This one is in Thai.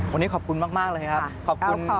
วันนี้ขอบคุณมากเลยครับ